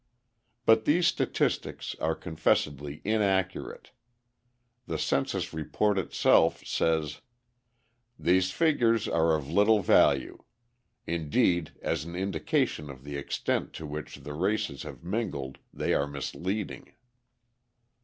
But these statistics are confessedly inaccurate: the census report itself says: "These figures are of little value. Indeed, as an indication of the extent to which the races have mingled, they are misleading."